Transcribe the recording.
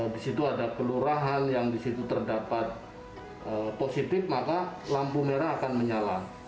di situ ada kelurahan yang di situ terdapat positif maka lampu merah akan menyala